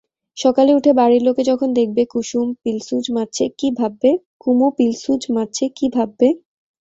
সকালে উঠে বাড়ির লোকে যখন দেখবে কুমু পিলসুজ মাজছে কী ভাববে!